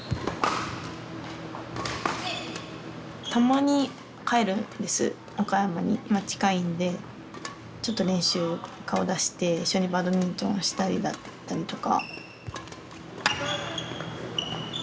たまに帰るんです岡山にまあ近いんでちょっと練習顔出して一緒にバドミントンしたりだったりとか。